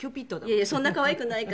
いやいやそんな可愛くないから。